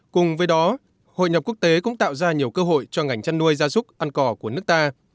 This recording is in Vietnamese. cùng với đó hội nhập quốc tế cũng tạo ra nhiều cơ hội cho ngành chăn nuôi gia súc ăn cỏ của nước ta